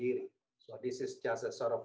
ini adalah garis merah